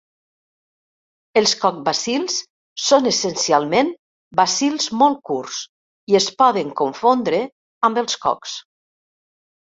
Els coc-bacils són essencialment bacils molt curts i es poden confondre amb els cocs.